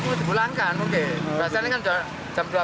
ini memang harus dipulangkan mungkin